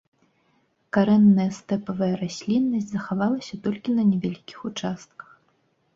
Карэнная стэпавая расліннасць захавалася толькі на невялікіх участках.